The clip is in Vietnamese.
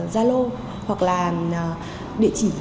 gia lô hoặc là địa chỉ